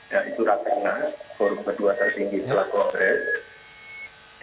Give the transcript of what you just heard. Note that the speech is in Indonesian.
yaitu rakna forum kedua tertinggi telah kongres